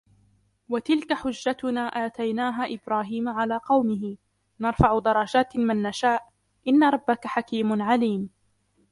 وتلك حجتنا آتيناها إبراهيم على قومه نرفع درجات من نشاء إن ربك حكيم عليم